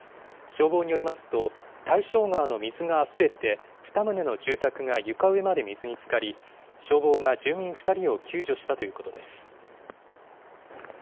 消防によりますと、大正川の水があふれて、２棟の住宅が床上まで水につかり、消防が住民２人を救助したということです。